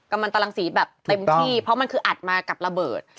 กำลังตรังสีแบบเต็มที่เพราะมันคืออัดมากับระเบิด